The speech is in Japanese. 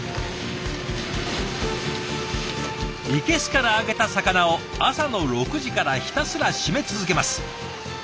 生けすから揚げた魚を朝の６時からひたすら締め続けます。